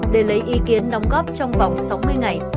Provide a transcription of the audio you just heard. để lấy ý kiến đóng góp trong vòng sáu mươi ngày